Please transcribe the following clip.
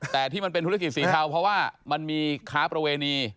แต่ที่มันเป็นธุรกิจสีเทาเพราะว่ามันมีค้าประเวณี